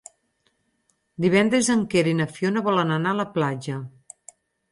Divendres en Quer i na Fiona volen anar a la platja.